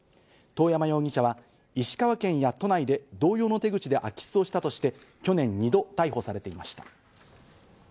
遠山容疑者は石川県や都内で同様の手口で空き巣をしたとして去年２度逮捕されていました。